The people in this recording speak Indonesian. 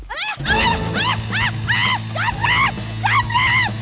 aih aih aih aih aih